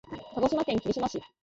鹿児島県霧島市